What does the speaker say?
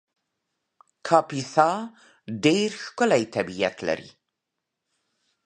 کاپیسا ډېر ښکلی طبیعت لري